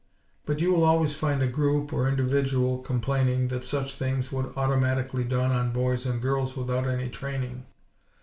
But you will always find a group, or individual complaining that such things would "automatically dawn" on boys and girls without any training.